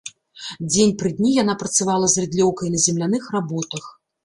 Дзень пры дні яна працавала з рыдлёўкай на земляных работах.